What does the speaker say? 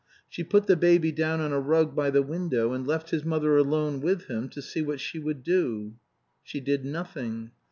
She put the baby down on a rug by the window, and left his mother alone with him to see what she would do. She did nothing.